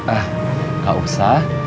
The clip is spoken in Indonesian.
ah gak usah